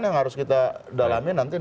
yang harus kita dalami nanti